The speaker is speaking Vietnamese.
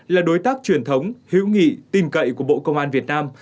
là đối tác truyền thống hữu nghị tin cậy của bộ công an việt nam